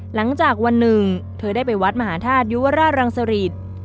หลังจากวันหนึ่งเธอได้ไปวัดมหาธาตุยุวราชรังสริต